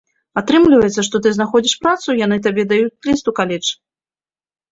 Атрымліваецца, што ты знаходзіш працу, яны табе даюць ліст у каледж.